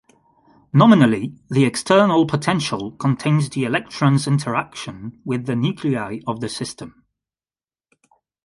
Nominally, the external potential contains the electrons' interaction with the nuclei of the system.